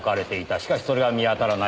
しかしそれが見当たらない。